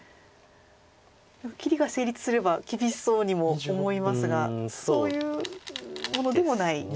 でも切りが成立すれば厳しそうにも思いますがそういうものでもないですか。